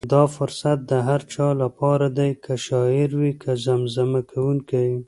دا فرصت د هر چا لپاره دی، که شاعر وي که زمزمه کوونکی.